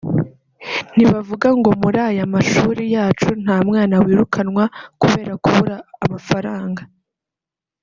Ntibavuga ngo muri aya mashuri yacu nta mwana wirukanwa kubera kubura amafaranga